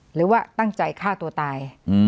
หรือว่าตั้งใจฆ่าตัวตาย